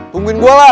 tungguin gua lah